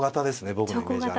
僕のイメージは。